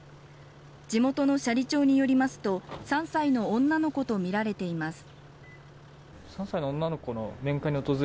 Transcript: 地元の斜里町によりますと３歳の女の子とみられています